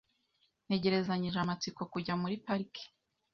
Ntegerezanyije amatsiko kujya muri pariki.